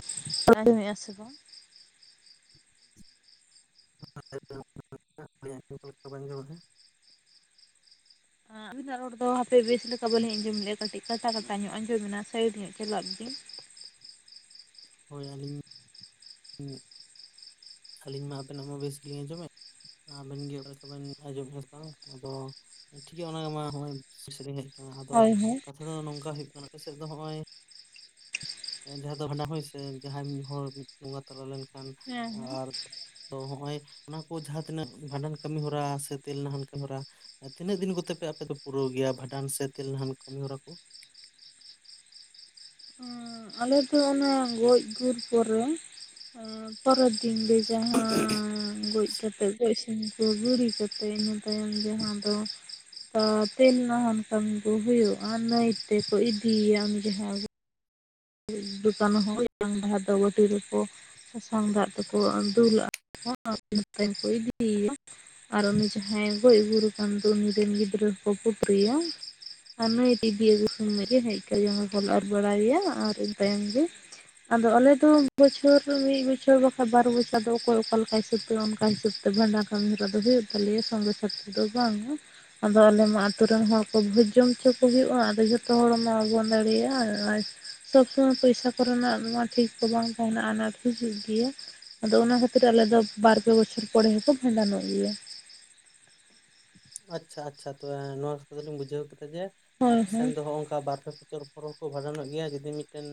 [unintelligible] ᱥᱮ ᱵᱟᱝ᱾ [inaudible] [unintelligible] ᱱᱤᱛᱚᱜ ᱵᱤᱱ ᱟᱸᱡᱚᱢ ᱮᱜᱼᱟ? ᱟᱹᱵᱤᱱᱟᱜ ᱨᱚᱲ ᱫᱚ ᱦᱟᱯᱮ ᱵᱮᱥ ᱞᱮᱠᱟ ᱵᱟᱹᱞᱤᱧ ᱟᱸᱡᱚᱢ ᱞᱮᱼᱟ ᱠᱟᱹᱴᱤᱡ ᱠᱟᱴᱟ ᱠᱟᱴᱟ ᱧᱚᱜ ᱟᱸᱡᱚᱢᱱᱟ, ᱥᱟᱭᱤᱰ ᱧᱚᱜ ᱪᱟᱞᱟᱜ ᱵᱤᱱ᱾ ᱦᱳᱭ ᱟᱹᱞᱤᱧ ᱦᱩᱸ, ᱟᱹᱞᱤᱧ ᱢᱟ ᱟᱵᱮᱱᱟᱜ ᱢᱟ ᱵᱮᱥ ᱜᱮᱞᱤᱧ ᱟᱸᱡᱚᱢᱮᱫ᱾ ᱟᱵᱮᱱ ᱜᱮ ᱚᱠᱟ ᱞᱮᱠᱟ ᱵᱮᱱ ᱟᱸᱡᱚᱢᱮᱫᱼᱟ ᱥᱮ ᱵᱟᱝ, ᱟᱫᱚ ᱴᱷᱤᱠ ᱜᱮᱭᱟ ᱚᱱᱟᱜᱮ‌ ᱢᱟ ᱦᱚᱸᱜᱼᱚᱭ ᱥᱟᱭᱤᱱᱥ ᱥᱮᱡ ᱞᱤᱧ ᱦᱮᱡ ᱟᱫᱚ ᱦᱳᱭ ᱦᱳᱭ᱾ ᱠᱟᱛᱷᱟ ᱫᱚ ᱱᱚᱝᱠᱟ ᱦᱩᱭᱩᱜ ᱠᱟᱱᱟ, ᱟᱯᱮ ᱥᱮᱫ ᱫᱚ ᱱᱚᱜᱼᱚᱭ ᱡᱟᱦᱟᱸ ᱫᱚ ᱵᱷᱟᱰᱟᱱ ᱦᱚᱭ ᱥᱮ ᱡᱟᱦᱟᱸᱭ ᱢᱤᱫ ᱦᱚᱲ ᱵᱚᱸᱜᱟ ᱛᱟᱞᱟ ᱞᱮᱱᱠᱷᱟᱱ, ᱦᱮᱸ ᱦᱮᱸ ᱟᱨ ᱛᱚ ᱱᱚᱜᱼᱚᱭ ᱚᱱᱟ ᱠᱚ ᱡᱟᱦᱟᱸ ᱛᱤᱱᱟᱹᱜ ᱵᱷᱟᱰᱟᱱ ᱠᱟᱹᱢᱤᱦᱚᱨᱟ, ᱥᱮ ᱛᱮᱞ ᱱᱟᱦᱟᱱ ᱠᱟᱹᱢᱤ ᱦᱚᱨᱟ᱾ ᱮᱸ, ᱛᱤᱱᱟᱹᱜ ᱫᱤᱱ ᱠᱚᱛᱮ ᱯᱮ ᱟᱯᱮ ᱫᱚ ᱯᱩᱨᱟᱹᱣ ᱜᱮᱭᱟ ᱵᱷᱟᱰᱟᱱ ᱥᱮ ᱛᱮᱞ ᱱᱟᱦᱮᱱ ᱠᱟᱹᱢᱤ ᱦᱚᱨᱟ ᱠᱚ? ᱟᱞᱮ ᱫᱚ ᱚᱱᱟ ᱜᱚᱡ-ᱜᱩᱨ ᱯᱚᱨᱮ ᱯᱚᱨᱮᱨ ᱫᱤᱱ ᱨᱮ ᱡᱟᱦᱟᱸ ᱜᱚᱡ ᱠᱟᱛᱮ ᱜᱚᱡ ᱥᱤᱢ ᱠᱚ ᱜᱩᱨᱤ ᱠᱟᱛᱮ, ᱤᱱᱟᱹ ᱛᱟᱭᱚᱢ ᱡᱟᱦᱟᱸ ᱫᱚ ᱛᱮᱞ ᱱᱟᱹᱦᱟᱱ ᱠᱟᱹᱢᱤ ᱠᱚ ᱦᱩᱭᱩᱜᱼᱟ, ᱱᱟᱹᱭ ᱛᱮᱠᱚ ᱤᱫᱤᱭᱮᱭᱟ ᱩᱱ ᱡᱟᱦᱟᱸ ᱫᱚ ᱠᱷᱟᱱ ᱦᱚᱸᱭ ᱡᱟᱝ ᱵᱟᱦᱟ ᱫᱚ ᱵᱟᱹᱴᱤ ᱨᱮᱠᱚ᱾ ᱥᱟᱥᱟᱝ ᱫᱟᱜ ᱛᱮᱠᱚ ᱫᱩᱞᱼᱟ, [unintelligible] ᱤᱱᱟᱹ ᱛᱟᱭᱚᱢ ᱮ ᱠᱚ ᱤᱫᱤᱭᱮᱭᱟ᱾ ᱟᱨ ᱩᱱᱤ ᱡᱟᱦᱟᱸᱭ ᱜᱚᱡ ᱜᱩᱨ ᱠᱟᱱ ᱫᱚ ᱩᱱᱤ ᱨᱮᱱ ᱜᱤᱫᱽᱨᱟᱹ ᱫᱚᱠᱚ ᱯᱩᱴᱩᱨᱤᱭᱟ᱾ ᱟᱨ ᱱᱩᱭ ᱤᱫᱤ ᱟᱹᱜᱩ ᱥᱚᱢᱚᱭ ᱜᱮ ᱦᱮᱡ ᱠᱟᱛᱮ ᱡᱚᱝ [unintelligible] ᱵᱚᱞ [unintelligible] ᱚᱨ ᱵᱟᱲᱟᱭᱮᱭᱟ ᱟᱨ ᱤᱱᱟᱹ ᱛᱟᱭᱚᱢ ᱜᱮ᱾ ᱟᱫᱚ ᱟᱞᱮ ᱫᱚ ᱵᱚᱪᱷᱚᱨ ᱢᱤᱫ ᱵᱚᱪᱷᱚᱨ ᱵᱟᱠᱷᱟᱱ ᱵᱟᱨ ᱵᱚᱪᱷᱚᱨ ᱫᱚ ᱚᱠᱚᱭ ᱚᱠᱟ ᱞᱮᱠᱟᱭ - ᱥᱟᱹᱛᱚᱜ-ᱟ, ᱚᱱᱠᱟ ᱦᱤᱥᱟᱹᱵ ᱛᱮ ᱵᱷᱟᱸᱰᱟᱱ ᱠᱟᱹᱢᱤᱦᱚᱨᱟ ᱫᱚ ᱦᱩᱭᱩᱜ ᱛᱟᱞᱮᱭᱟ ᱥᱚᱝᱜᱮ ᱥᱟᱛᱚ ᱫᱚ ᱵᱟᱝᱼᱟ᱾ ᱟᱫᱚ ᱟᱞᱮ ᱢᱟ ᱟᱛᱩ ᱨᱮᱱ ᱦᱚᱲ ᱠᱚ ᱵᱷᱚᱡᱽ ᱡᱚᱢ ᱦᱚᱪᱚ ᱠᱚ ᱦᱩᱭᱩᱜᱼᱟ, ᱟᱫᱚ ᱡᱚᱛᱚ ᱦᱚᱲ ᱢᱟ ᱵᱟᱵᱚᱱ ᱫᱟᱲᱮᱭᱟᱜᱼᱟ᱾ [unintelligible] [unintelligible] ᱯᱚᱭᱥᱟ ᱠᱚᱨᱮᱱᱟᱜ ᱢᱟ ᱴᱷᱤᱠ ᱠᱚ ᱵᱟᱝ ᱛᱟᱦᱮᱸᱱᱟ ᱟᱱᱟᱴ ᱦᱤᱡᱩᱜ ᱜᱮᱭᱟ, ᱟᱫᱚ ᱚᱱᱟ ᱠᱷᱟᱹᱛᱤᱨ ᱟᱞᱮ ᱫᱚ ᱵᱟᱨ ᱯᱮ ᱵᱚᱪᱷᱚᱨ ᱯᱚᱨᱮ ᱦᱚᱸᱠᱚ ᱵᱷᱟᱸᱰᱟᱱᱚᱜ ᱜᱮᱭᱟ᱾ ᱟᱪᱪᱷᱟ ᱟᱪᱪᱷᱟ ᱛᱚᱵᱮ ᱱᱚᱣᱟ ᱠᱟᱛᱷᱟ ᱫᱚᱞᱤᱧ ᱵᱩᱡᱷᱟᱹᱣ ᱠᱮᱫᱟ ᱡᱮ ᱦᱳᱭ ᱟᱯᱮ ᱥᱮᱱ ᱦᱳᱭ ᱫᱚ ᱦᱚᱜ ᱚᱱᱠᱟ ᱵᱟᱨ ᱯᱮ ᱵᱚᱪᱷᱚᱨ ᱯᱚᱨᱮ ᱦᱚᱸᱠᱚ ᱵᱷᱟᱸᱰᱟᱱᱚᱜ ᱜᱮᱭᱟ᱾ ᱡᱩᱫᱤ ᱢᱤᱫᱴᱮᱱ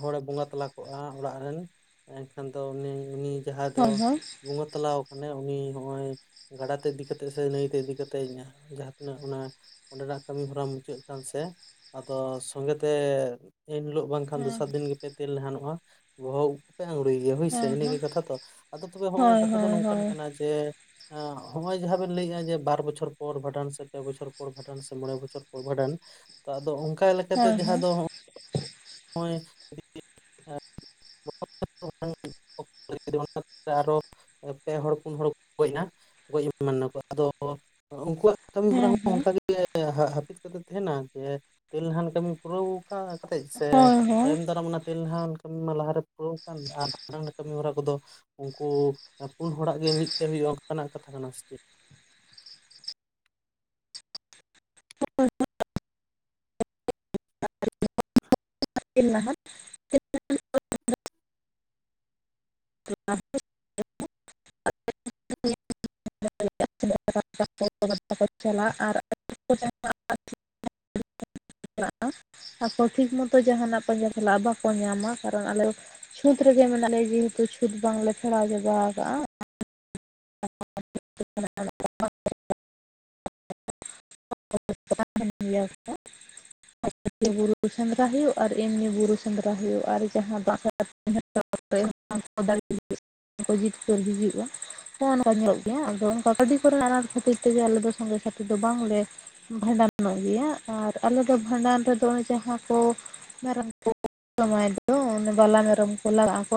ᱦᱚᱲᱮ ᱵᱚᱸᱜᱟ ᱛᱟᱞᱟ ᱠᱚᱜᱼᱟ ᱚᱲᱟᱜ ᱨᱮᱱ ᱮᱱᱠᱷᱟᱱ ᱫᱚ ᱩᱱᱤ ᱩᱤᱱ ᱡᱟᱦᱟᱸᱭ ᱫᱚ ᱦᱳᱭ ᱦᱳᱭ ᱵᱚᱸᱜᱟ ᱛᱟᱞᱟ ᱟᱠᱟᱱᱟᱭ ᱩᱱᱤ ᱦᱚᱜ-ᱚᱭ ᱜᱟᱰᱟ ᱛᱮ ᱤᱫᱤ ᱠᱟᱛᱮᱫ ᱥᱮ ᱱᱟᱹᱭᱛᱮ ᱤᱫᱤ ᱠᱟᱛᱮᱫ ᱡᱟᱦᱟᱸ ᱛᱤᱱᱟᱹᱜ ᱚᱱᱟ ᱚᱸᱰᱮᱱᱟᱜ ᱠᱟᱹᱢᱤᱦᱚᱨᱟ ᱢᱩᱪᱟᱹᱫᱽ ᱠᱟᱱ ᱥᱮ ᱟᱫᱚ ᱥᱚᱝᱜᱮ ᱛᱮ ᱮᱱᱦᱤᱞᱳᱜ ᱵᱟᱝᱠᱷᱟᱱ ᱦᱮᱸ ᱫᱚᱥᱟᱨ ᱫᱤᱱ ᱜᱮᱯᱮ ᱛᱮᱞ ᱱᱟᱦᱟᱱᱚᱜᱼᱟ᱾ ᱵᱚᱦᱚᱜ ᱩᱯ ᱯᱮ ᱟᱝᱲᱩᱭᱮᱭᱟ ᱦᱳᱭᱥᱮ ᱦᱮᱸ ᱤᱱᱟᱹᱜᱮ ᱦᱮᱸ ᱠᱟᱛᱷᱟ ‌ᱛᱚ, ᱟᱫᱚ ᱛᱚᱵᱮ ᱦᱚᱸᱜ-ᱚᱭ ᱦᱳᱭ ᱠᱟᱛᱷᱟ ᱫᱚ ᱦᱳᱭ ᱱᱚᱝᱠᱟᱱ ᱦᱳᱭ ᱠᱟᱱᱟ ᱡᱮ‌‌ ᱦᱚᱭ-ᱚᱭ [unintelligible] ᱡᱟᱦᱟᱸ ᱵᱮᱱ ᱞᱟᱹᱭᱼᱟ ᱡᱮ ᱵᱟᱨ ᱵᱚᱪᱷᱚᱨ ᱯᱚᱨ ᱵᱷᱟᱸᱰᱟᱱ ᱥᱮ ᱯᱮ ᱵᱚᱪᱷᱚᱨ ᱯᱚᱨ ᱵᱷᱟᱸᱰᱟᱱ ᱥᱮ ᱢᱚᱬᱮ ᱵᱚᱪᱷᱚᱨ ᱯᱚᱨ ᱵᱷᱟᱸᱰᱟᱱ᱾ ᱟᱫᱚ ᱚᱱᱠᱟ ᱞᱮᱠᱟᱛᱮ ᱦᱳᱭ ᱡᱟᱦᱟᱸ ᱦᱳᱭ ᱫᱚ‌ ᱦᱚᱭ-ᱚᱭ [inaudible] [unintelligible] ᱟᱨ ᱦᱚ ᱯᱮ ᱦᱚᱲ, ᱯᱩᱱ ᱦᱚᱲ ᱠᱚ ᱜᱚᱡ ᱮᱱᱟ᱿ ᱜᱚᱡ ᱮᱢᱟᱱ-ᱱᱟᱠᱚ ᱟᱫᱚ ᱩᱱᱠᱩᱣᱟᱜ ᱠᱟᱹᱢᱤ ᱦᱚᱨᱟ ᱦᱮᱸ ᱦᱚᱸ ᱦᱮᱸ ᱚᱱᱠᱟᱜ ᱜᱮ ᱦᱟᱹᱯᱤᱫ ᱠᱟᱛᱮ ᱛᱟᱦᱮᱱᱟ ᱡᱮ ᱛᱮᱞᱱᱟᱦᱟᱱ ᱠᱟᱹᱢᱤ ᱯᱩᱨᱟᱹᱣ ᱚᱱᱠᱟ ᱠᱟᱛᱮᱜ ᱥᱮ ᱦᱳᱭ ᱦᱳᱭ ᱛᱟᱭᱚᱢ ᱫᱟᱨᱟᱢ ᱚᱱᱟ ᱛᱮᱞᱱᱟᱦᱟᱱ ᱠᱟᱹᱢᱤ ᱢᱟ ᱞᱟ ᱯᱩᱨᱟᱹᱣ ᱟᱠᱟᱱ᱾ ᱟᱨ ᱦᱟᱱᱟ-ᱱᱟᱣᱭᱟ ᱠᱟᱹᱢᱤ ᱦᱚᱨᱟ ᱠᱚᱫᱚ ᱩᱱᱠᱩ ᱯᱩᱱ ᱦᱚᱲᱟᱜ ᱜᱮ ᱢᱤᱫᱛᱮ ᱦᱩᱭᱩᱜᱼᱟ ᱚᱱᱠᱟᱱᱟᱜ ᱠᱟᱛᱷᱟ ᱠᱟᱱᱟ ᱥᱮ ᱪᱮᱫ? [unintelligible] [unintelligible] ᱱᱟᱦᱟᱜ [unintelligible] [unintelligible] [inaudible] [unintelligible] [unintelligible] ᱠᱚ ᱪᱟᱞᱟᱜ ᱟᱨ [unintelligible] [inaudible] ᱪᱟᱞᱟᱜ ᱟᱠᱚ ᱴᱷᱤᱠ ᱢᱚᱛᱚ ᱡᱟᱦᱟᱱᱟᱜ ᱯᱟᱸᱡᱟ ᱪᱟᱞᱟᱜᱼᱟ ᱵᱟᱠᱚ ᱧᱟᱢᱟ᱾ ᱠᱟᱨᱚᱱ ᱟᱞᱮ ᱪᱷᱩᱸᱛ ᱨᱮᱜᱮ ᱢᱮᱱᱟᱜ ᱞᱮᱭᱟ ᱡᱮᱦᱮᱛᱩ ᱪᱷᱩᱸᱛ ᱵᱟᱝᱞᱮ ᱯᱷᱮᱨᱟᱣ ᱪᱟᱵᱟ ᱟᱠᱟᱜᱼᱟ᱾ [unintelligible] [unintelligible] ᱜᱮᱭᱟ [unintelligible] [unintelligible] ᱤᱭᱟᱹ [unintelligible] ᱵᱩᱨᱩ ᱥᱮᱸᱫᱽᱨᱟ ᱦᱩᱭᱩᱜ, ᱟᱨ ᱮᱢᱱᱤ ᱵᱩᱨᱩ ᱥᱮᱸᱫᱽᱨᱟ ᱦᱩᱭᱩᱜ᱾ ᱟᱨ ᱡᱟᱦᱟᱸ ᱵᱟᱨᱟ [unintelligible] [unintelligible] [unintelligible] ᱡᱤᱛᱠᱟᱹᱨ ᱦᱤᱡᱩᱜᱼᱟ, ᱱᱚ ᱱᱚᱝᱠᱟ ᱧᱚᱜ ᱜᱮᱭᱟ ᱟᱫᱚ ᱚᱱᱠᱟ ᱠᱟᱹᱣᱰᱤ ᱠᱚᱨᱮᱱᱟᱜ ᱟᱱᱟᱴ ᱠᱷᱟᱹᱛᱤᱨ ᱛᱮᱜᱮ ᱟᱞᱮ ᱫᱚ ᱥᱚᱸᱜᱮ ᱥᱟᱛᱷᱤ ᱫᱚ ᱵᱟᱝ ᱞᱮ ᱵᱷᱟᱸᱰᱟᱱᱚᱜ ᱜᱮᱭᱟ᱾ ᱟᱨ ᱟᱞᱮᱫ ᱫᱚ ᱵᱷᱟᱸᱰᱟᱱ ᱨᱮᱫᱚ ᱡᱟᱦᱟᱸ ᱠᱚ ᱢᱮᱨᱚᱢ ᱠᱚ ᱥᱚᱢᱟᱭ ᱫᱚ ᱚᱱᱮ ᱵᱟᱞᱟ ᱢᱮᱨᱚᱢ ᱠᱚ ᱞᱟᱜᱟᱜ ᱟᱠᱚ